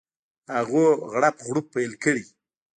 هغوی غړپ غړوپ پیل کړي.